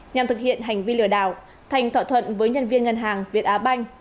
nhằm thực hiện hành vi lừa đảo thành thỏa thuận với nhân viên ngân hàng việt á banh